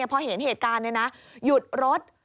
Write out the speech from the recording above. พอเห็นเหตุการณ์หยุดรถ